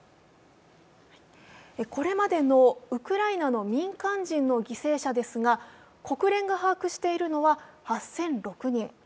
これまでのウクライナの民間人の犠牲者ですが、国連が把握しているのは８００６人。